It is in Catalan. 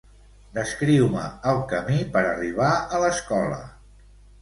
Descriu-me el camí per arribar a l'escola.